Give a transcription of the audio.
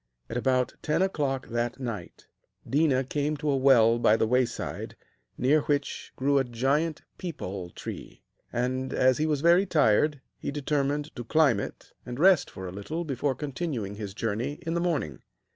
At about ten o'clock that night Déna came to a well by the wayside, near which grew a giant peepul tree; and, as he was very tired, he determined to climb it, and rest for a little before continuing his journey in the morning.